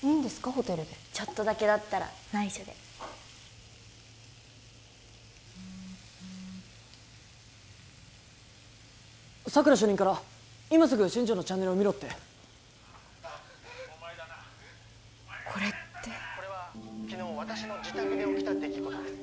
ホテルでちょっとだけだったら内緒で佐久良主任から今すぐ新城のチャンネルを見ろってお前だなお前がまたこれってこれは昨日私の自宅で起きた出来事です